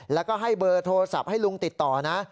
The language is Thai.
แล้วก็ให้เบอร์โทรศัพท์ให้ลุงติดต่อนะ